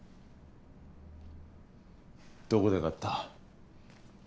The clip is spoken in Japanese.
どこで買った？